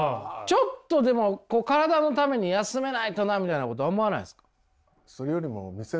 ちょっとでも体のために休めないとなみたいなこと思わないんですか？